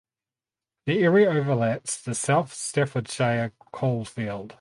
The area overlaps the South Staffordshire coalfield.